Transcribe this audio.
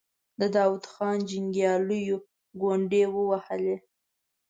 د داود خان جنګياليو ګونډې ووهلې.